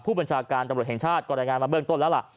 ผู้บัญชาการตำรวจแห่งชาติก็รายงานมาเบื้องต้นแล้วล่ะ